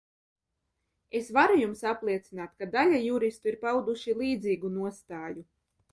Es varu jums apliecināt, ka daļa juristu ir pauduši līdzīgu nostāju.